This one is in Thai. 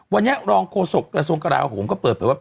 วันนี้รองโฆษกระทรวงกราโหมก็เปิดเผยว่า